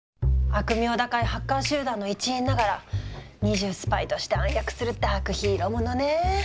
悪名高いハッカー集団の一員ながら二重スパイとして暗躍するダークヒーローものねぇ。